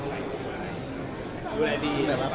ต้องที่ล้าน้ำความปลอดภัยผู้ชายแมกก็มีเลยนะครับ